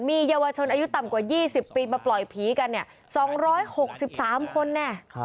มีเยาวชนอายุต่ำกว่า๒๐ปีมาปล่อยผีกันเนี่ย๒๖๓คนแน่